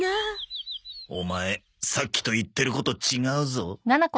オマエさっきと言ってること違うぞ。